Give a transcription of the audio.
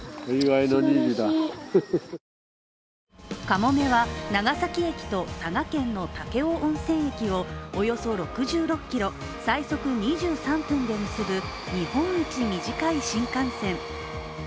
「かもめ」は長崎駅と佐賀県の武雄温泉駅の間をおよそ６６ｋｍ、最速２３分で結ぶ日本一短い新幹線。